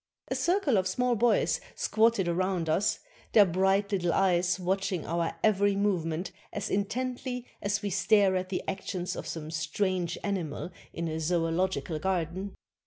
A circle of small boys squatted around us, their bright little eyes watching our every movement as intently as we stare at the actions of some strange animal in a zoological garden.